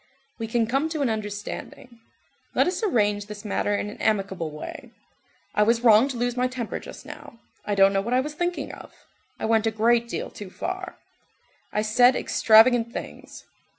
"We can come to an understanding. Let us arrange this matter in an amicable way. I was wrong to lose my temper just now, I don't know what I was thinking of, I went a great deal too far, I said extravagant things.